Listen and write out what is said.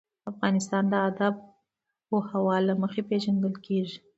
افغانستان د آب وهوا له مخې پېژندل کېږي.